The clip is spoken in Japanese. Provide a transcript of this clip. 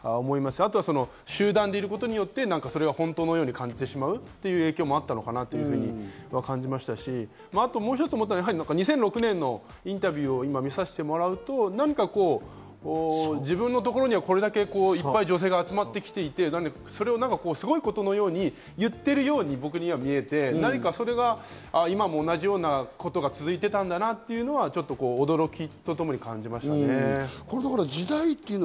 あとは集団でいることによって、それが本当のように感じてしまうという影響もあったのかな？と感じましたし、あともう一つ、２００６年のインタビューを今、見させてもらうと何かこう、自分のところにはいっぱい女性が集まってきて、すごいことを言っているように僕には見えて、何かそれが今も同じようなことが続いていたんだなと、驚きとともに感じましたね。